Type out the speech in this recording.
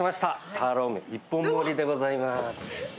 ターロー麺、一本盛りでございます。